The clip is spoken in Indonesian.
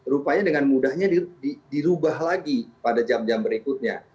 rupanya dengan mudahnya dirubah lagi pada jam jam berikutnya